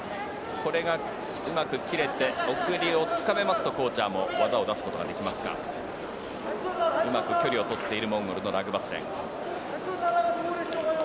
これがうまく切れて奥襟をつかめますとコーチャーも技を出すことができますがうまく距離を取っているモンゴルのラグバスレン。